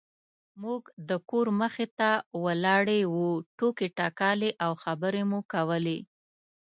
موږ د کور مخې ته ولاړې وو ټوکې ټکالې او خبرې مو کولې.